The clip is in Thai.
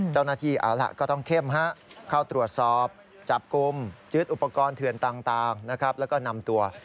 เจ้าหน้าที่ก้อต้องเข้มเข้าตรวจสอบจับกลุ่ม